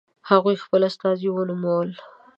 هغوی خپل استازي ونومول.